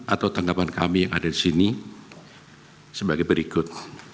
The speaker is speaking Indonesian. atau tanggapan kami yang ada di sini sebagai berikut